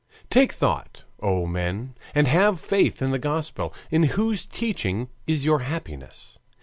Take thought, oh, men, and have faith in the Gospel, in whose teaching is your happiness.